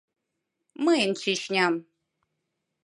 Мыйын Чечням...